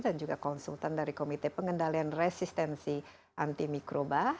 dan juga konsultan dari komite pengendalian resistensi anti mikroba